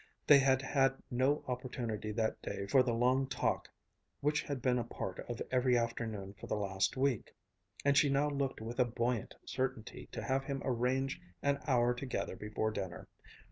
They had had no opportunity that day for the long talk which had been a part of every afternoon for the last week; and she now looked with a buoyant certainty to have him arrange an hour together before dinner.